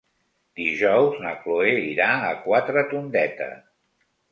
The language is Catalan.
Dijous na Chloé irà a Quatretondeta.